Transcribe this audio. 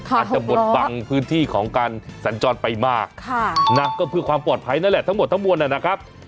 อาจจะบดบังพื้นที่ของการสัญจรไปมากก็เพื่อความปลอดภัยนั่นแหละทั้งหมดทั้งมวลนะครับ